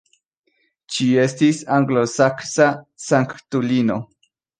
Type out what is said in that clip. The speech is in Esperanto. Ŝi estis anglosaksa sanktulino.